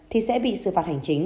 thì sẽ bị sự phạt hành chính